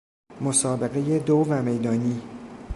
مسابقه دو و میدانی